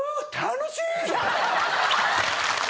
楽しい！